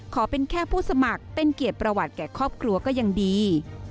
ขอเป็นแค่ผู้สมัครเป็นเกียรติประวัติแก่ครอบครัวก็ยังดี